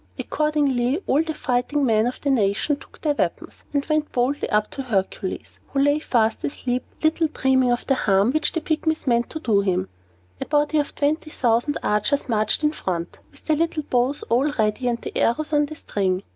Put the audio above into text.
Accordingly, all the fighting men of the nation took their weapons, and went boldly up to Hercules, who still lay fast asleep, little dreaming of the harm which the Pygmies meant to do him. A body of twenty thousand archers marched in front, with their little bows all ready, and the arrows on the string.